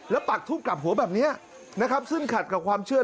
แล้วปักทูบกลับหัวแบบนี้นะครับซึ่งขัดกับความเชื่อ